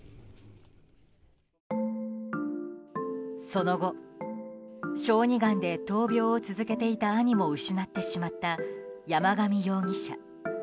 その後、小児がんで闘病を続けていた兄も失ってしまった山上容疑者。